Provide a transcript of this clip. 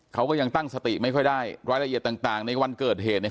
เขาก็ยังตั้งสติไม่ค่อยได้รายละเอียดต่างในวันเกิดเหตุเนี่ย